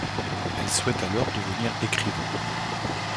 Elle souhaite alors devenir écrivain.